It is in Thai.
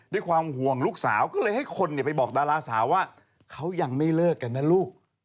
ด้วยความห่วงลูกสาวก็เลยให้คนไปบอกดาราสาวว่าเขายังไม่เลิกกันนะลูก